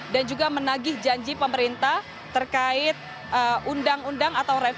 dan juga menagih janji pemerintah terkait undang undang atau revisi